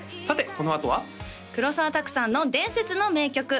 さてこのあとは黒澤拓さんの伝説の名曲